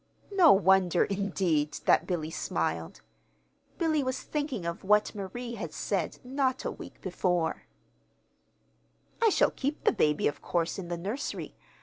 No wonder, indeed, that Billy smiled. Billy was thinking of what Marie had said not a week before: "I shall keep the baby, of course, in the nursery.